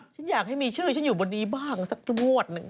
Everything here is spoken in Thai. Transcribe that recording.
ฉันอยากให้มีชื่อฉันอยู่บนนี้บ้างสักงวดหนึ่ง